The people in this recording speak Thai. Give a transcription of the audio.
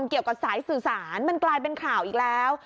เกี่ยวกับสายสื่อสารมันกลายเป็นข่าวอีกแล้ว